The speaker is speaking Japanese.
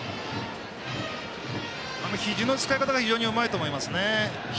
左ひじの使い方が非常にうまいと思いますね。